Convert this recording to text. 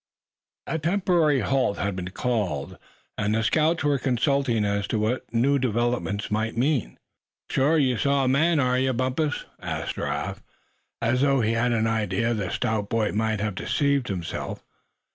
A TEMPORARY halt had been called, and the scouts were consulting as to what this new development might mean. "Sure you saw a man, are you, Bumpus?" asked Giraffe, as though he had an idea the stout boy might have deceived himself.